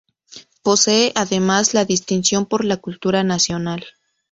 Posee además la Distinción por la Cultura Nacional.